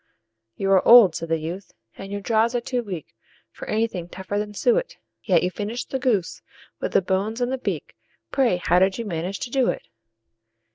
"You are old," said the youth, "and your jaws are too weak For anything tougher than suet; Yet you finished the goose, with the bones and the beak Pray, how did you manage to do it?"